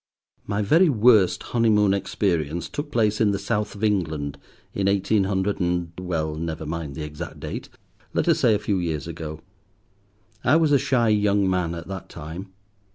My very worst honeymoon experience took place in the South of England in eighteen hundred and—well, never mind the exact date, let us say a few years ago. I was a shy young man at that time.